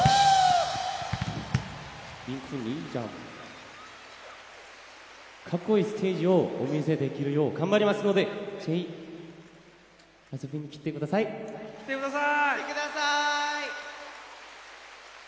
ミンくんいい？じゃあカッコいいステージをお見せできるよう頑張りますのでぜひ遊びに来てください来てください来てください